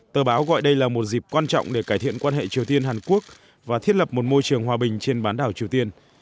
tờ báo gọi đây là một dịp quan trọng để cải thiện quan hệ triều tiên hàn quốc và thiết lập một môi trường hòa bình trên bán đảo triều tiên